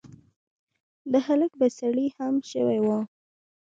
د هلک به سړې هم شوي وي.